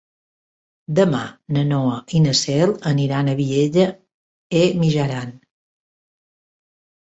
Demà na Noa i na Cel aniran a Vielha e Mijaran.